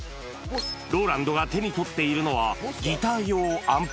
ＲＯＬＡＮＤが手に取っているのは、ギター用アンプ。